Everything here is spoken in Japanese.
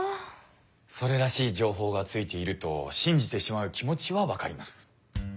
それらしい情報がついていると信じてしまう気持ちはわかります。